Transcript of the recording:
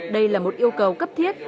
đây là một yêu cầu cấp thiết